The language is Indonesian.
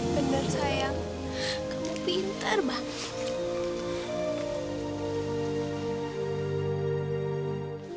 benar sayang kamu pintar banget